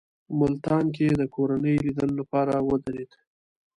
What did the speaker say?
ملتان کې یې د کورنۍ لیدلو لپاره ودرېد.